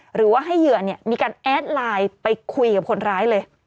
หรือว่าให้เหยื่อมีการแอดไลน์ไปคุยกับคนร้ายเลย